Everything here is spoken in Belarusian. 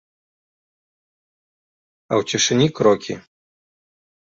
А ў цішыні крокі.